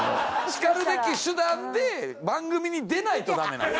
しかるべき手段で番組に出ないとダメなんで。